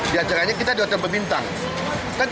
di acaranya kita datang berbintang